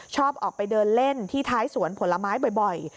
ชอบออกไปเดินเล่นที่ท้ายสวนผลไม้บ่อย